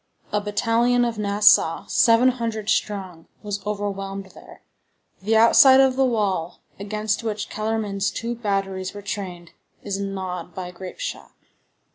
A battalion of Nassau, seven hundred strong, was overwhelmed there. The outside of the wall, against which Kellermann's two batteries were trained, is gnawed by grape shot.